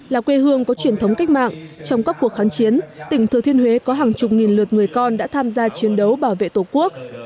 là quê hương có truyền thống cách mạng trong các cuộc kháng chiến tỉnh thừa thiên huế có hàng chục nghìn lượt người con đã tham gia chiến đấu bảo vệ tổ quốc